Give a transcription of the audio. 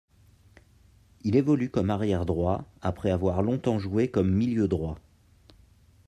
Il évolue comme arrière droit après avoir longtemps joué comme milieu droit.